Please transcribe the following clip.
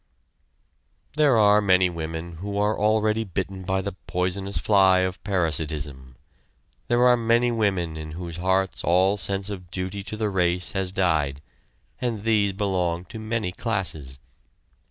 There are many women who are already bitten by the poisonous fly of parasitism; there are many women in whose hearts all sense of duty to the race has died, and these belong to many classes.